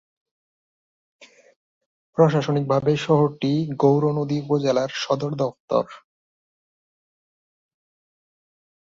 প্রশাসনিকভাবে শহরটি গৌরনদী উপজেলার সদর দফতর।